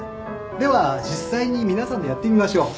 では実際に皆さんでやってみましょう